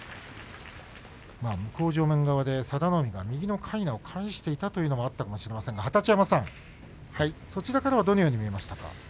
向正面側で佐田の海が右のかいなを返していたというのもあったかもしれませんが二十山さんからはどのように見えましたか？